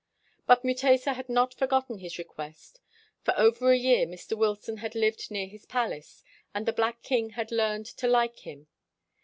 But Mutesa had not forgotten his request. For over a year Mr. Wilson had lived near his palace, and the black king had learned to like him.